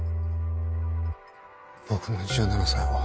僕の１７才は。